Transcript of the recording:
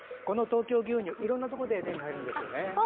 この東京牛乳はいろんなところで手に入るんですよね。